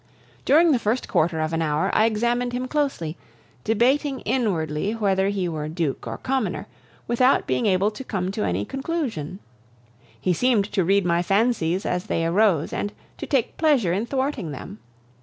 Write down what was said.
During the first quarter of an hour I examined him closely, debating inwardly whether he were duke or commoner, without being able to come to any conclusion. He seemed to read my fancies as they arose and to take pleasure in thwarting them.